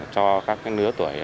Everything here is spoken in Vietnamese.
cho các nứa tuổi